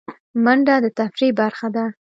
منډه د تفریح برخه ده